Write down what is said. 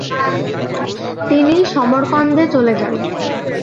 তিনি সমরকন্দে চলে যান।